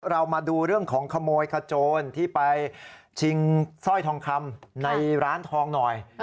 เรามาดูเรื่องของขโมยขโจรที่ไปชิงสร้อยทองคำในร้านทองหน่อย